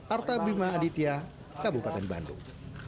arta bima aditya kabupaten bandung